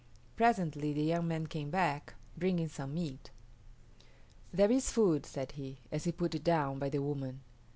Presently the young man came back, bringing some meat. "There is food," said he, as he put it down by the woman.